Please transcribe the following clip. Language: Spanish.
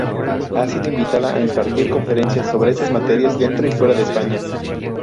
Ha sido invitada a impartir conferencias sobre estas materias dentro y fuera de España.